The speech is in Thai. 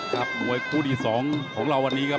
ครับมวยคู่ที่สองของเราวันนี้ครับ